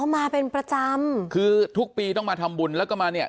มาเป็นประจำคือทุกปีต้องมาทำบุญแล้วก็มาเนี่ย